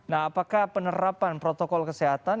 nah apakah penerapan protokol kesehatan